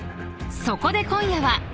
［そこで今夜は］